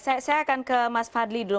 saya akan ke mas fadli dulu